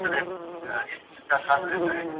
دوی باید له نړیوالو شرکتونو سره اړیکه ونیسي.